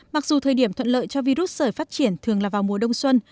mặc dù thời điểm thuận lợi cho virus sởi phát triển thường là vào mùa đông xuân